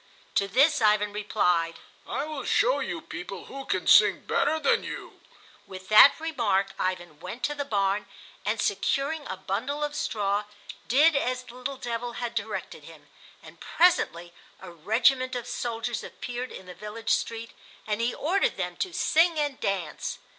To this Ivan replied, "I will show you people who can sing better than you." With that remark Ivan went to the barn and, securing a bundle of straw, did as the little devil had directed him; and presently a regiment of soldiers appeared in the village street, and he ordered them to sing and dance.